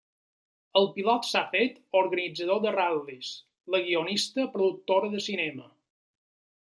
El pilot s'ha fet organitzador de ral·lis, la guionista productora de cinema.